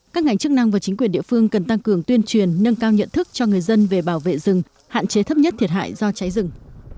các ngành chức năng và chính quyền địa phương cần tăng cường tuyên truyền nâng cao nhận thức cho người dân về bảo vệ rừng hạn chế thấp nhất thiệt hại do cháy rừng